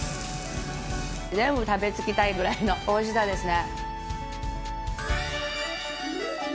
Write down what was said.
全部食べ尽くしたいくらいのおいしさですね。